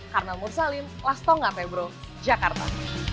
karnel mursalin lastongga februari jakarta